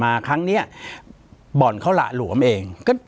ปากกับภาคภูมิ